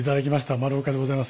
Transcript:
丸岡でございます